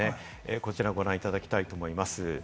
こちらをご覧いただきたいと思います。